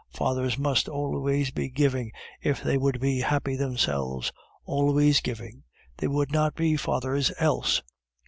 Fathers must always be giving if they would be happy themselves; always giving they would not be fathers else."